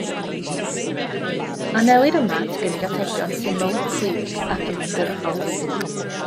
Anelir yma at gynnig atebion syml, clir ac uniongyrchol.